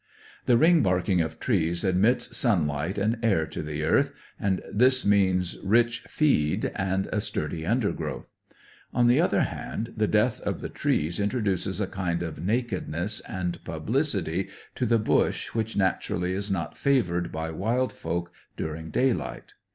The ring barking of trees admits sunlight and air to the earth, and this means rich "feed" and a sturdy undergrowth. On the other hand, the death of the trees introduces a kind of nakedness and publicity to the bush which naturally is not favoured by wild folk during daylight.